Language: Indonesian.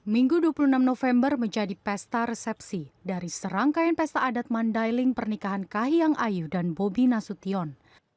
minggu dua puluh enam november menjadi pesta resepsi dari serangkaian pesta adat mandailing pernikahan kahiyang ayu dan bobi nasution